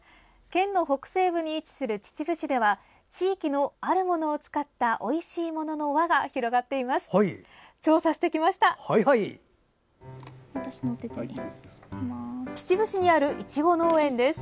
県の北西部に位置する秩父市では地域のあるものを使ったおいしいものの輪が広がっています。